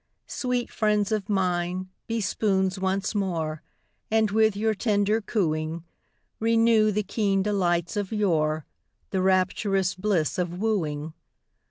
Sweet friends of mine, be spoons once more, And with your tender cooing Renew the keen delights of yore The rapturous bliss of wooing.